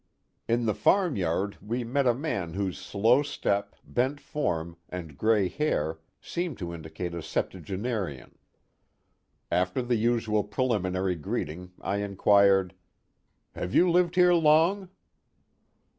In the farmyard we met a man whose slow step, bent form, and gray hair seemed to indicate a septua genarian. After the usual preliminary greeting I inquired : Have you lived here long